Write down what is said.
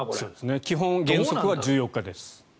基本原則は１４日間です。